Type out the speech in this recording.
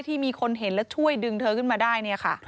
ที่มีคนเห็นและช่วยดึงเธอขึ้นมาได้